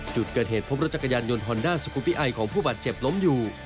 จุดเกิดเหตุพบรถจักรยานยนต์ฮอนด้าสกุปปี้ไอของผู้บาดเจ็บล้มอยู่